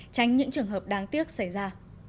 tránh những trường hợp đáng tiếc xảy ra